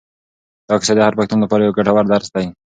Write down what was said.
دا کیسه د هر پښتون لپاره یو ګټور درس لري.